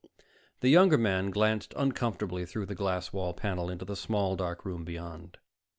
The younger man glanced uncomfortably through the glass wall panel into the small dark room beyond.